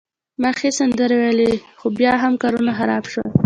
ما ښې سندرې وویلي، خو بیا هم کارونه خراب شول.